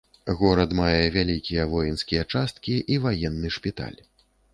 Горад мае вялікія воінскія часткі і ваенны шпіталь.